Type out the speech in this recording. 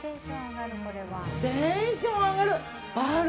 テンション上がる。